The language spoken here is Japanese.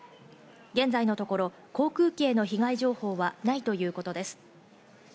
現在のところ、航空機への被害情報はないということです。